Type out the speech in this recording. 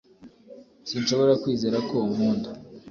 sinshobora kwizera ko unkunda